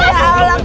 suami saya ya allah